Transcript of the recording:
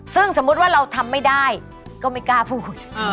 ซึ่งสมมุติว่าเราทำไม่ได้ก็ไม่กล้าพูด